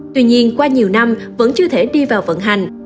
tuy nhiên qua nhiều năm vẫn chưa thể đi vào vận hành